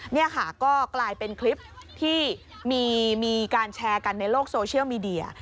นี่ค่ะก็กลายเป็นคลิปที่มีการแชร์กันในโลกโซเชียลมีเดีย